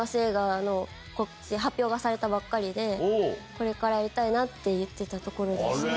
されたばっかりでこれからやりたいなって言ってたところでした。